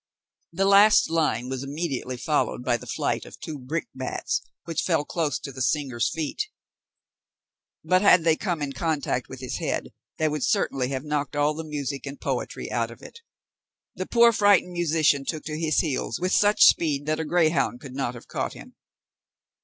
The last line was immediately followed by the flight of two brick bats, which fell close to the singer's feet; but had they come in contact with his head, they would certainly have knocked all the music and poetry out of it. The poor frightened musician took to his heels with such speed that a greyhound could not have caught him.